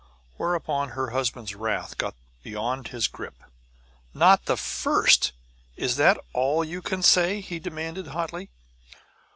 Whereupon her husband's wrath got beyond his grip. "Not the first! Is that all you can say?" he demanded hotly.